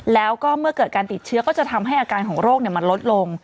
แล้วก็เมื่อเกิดการติดเชื้อก็จะทำให้อาการของโรคมันลดลง